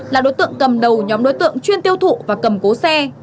là đối tượng cầm đầu nhóm đối tượng chuyên tiêu thụ và cầm cố xe